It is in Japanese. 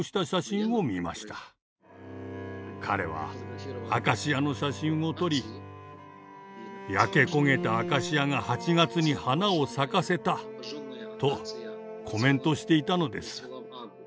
彼はアカシアの写真を撮り「焼け焦げたアカシアが８月に花を咲かせた」とコメントしていたのです。